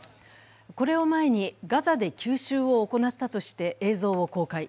これを前にガザで急襲を行ったとして映像を公開。